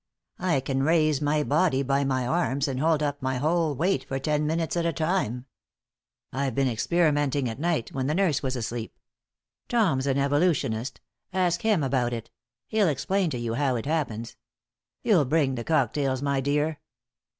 I can raise my body by my arms and hold up my whole weight for ten minutes at a time. I've been experimenting at night, when the nurse was asleep. Tom's an evolutionist; ask him about it. He'll explain to you how it happens. You'll bring the cocktails, my dear?"